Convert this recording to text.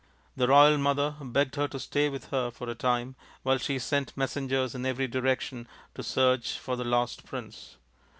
The royal mother begged her to stay with her for a time while she sent messengers in every direction to search for the lost prince.